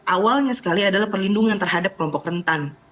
awalnya sekali adalah perlindungan terhadap kelompok rentan